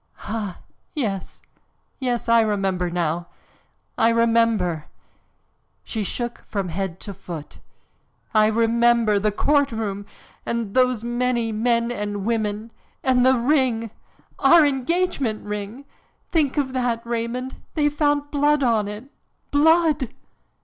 "Ah! Yes, yes, I remember now! I remember!" She shook from head to foot. "I remember! The courtroom! And those many men and women! And the ring our engagement ring think of that, Raymond! They found blood on it, blood!"